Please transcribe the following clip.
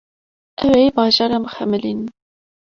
Ew ê bajaran bixemilînin.